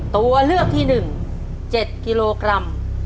ตัวเลือกที่๑๗กิโลกรัม